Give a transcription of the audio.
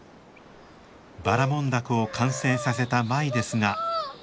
ばらもん凧を完成させた舞ですが。